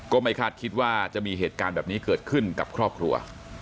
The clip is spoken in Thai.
ไม่คาดคิดว่าจะมีเหตุการณ์แบบนี้เกิดขึ้นกับครอบครัว